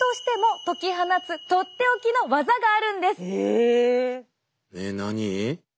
えっ何？